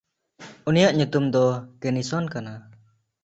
ᱩᱱᱤᱭᱟᱜ ᱧᱩᱛᱩᱢ ᱫᱚ ᱠᱮᱱᱤᱥᱚᱱ ᱠᱟᱱᱟ᱾